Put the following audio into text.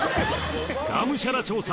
がむしゃら調査